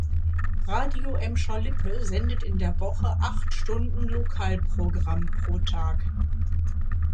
Radio Emscher Lippe sendet in der Woche acht Stunden Lokalprogramm pro Tag.